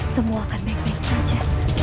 semua akan baik baik saja